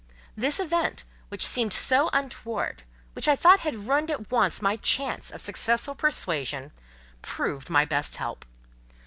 This event, which seemed so untoward—which I thought had ruined at once my chance of successful persuasion—proved my best help.